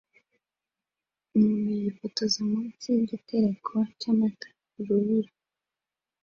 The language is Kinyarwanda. Umuntu yifotoza munsi yigitereko cyamatara mu rubura